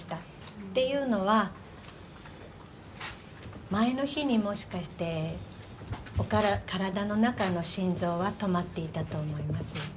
っていうのは、前の日にもしかして体の中の心臓は止まっていたと思います。